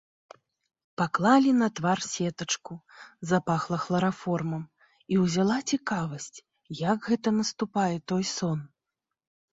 Паклалі на твар сетачку, запахла хлараформам, і ўзяла цікавасць, як гэта наступае той сон.